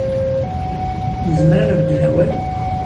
Nezmer ad nbeddel awal?